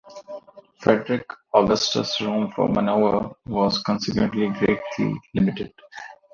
Frederick Augustus' room for maneuver was consequently greatly limited.